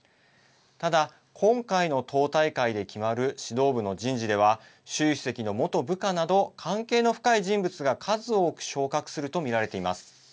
ただ、今回の党大会で決まる指導部の人事では習主席の元部下など関係の深い人物が数多く昇格すると見られています。